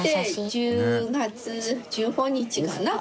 １０月１５日かな。